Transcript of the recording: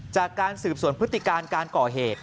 จากการสืบสวนพฤติการการก่อเหตุ